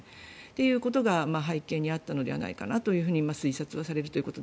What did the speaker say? ということが背景にあったのではないかなと推察はされるということ。